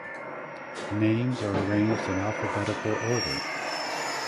Names are arranged in alphabetical order.